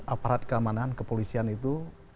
aparat keamanan kepolisian itu